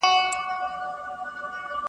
بس په زړه کي یې کراري اندېښنې سوې .